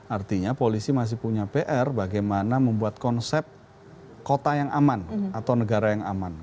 artinya polisi masih punya pr bagaimana membuat konsep kota yang aman atau negara yang aman